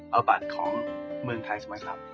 เอาบัตรของเมืองไทยสมัยคลับ